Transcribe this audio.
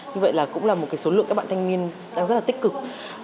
như vậy là cũng là một số lượng các bạn thanh niên đang rất là tích cực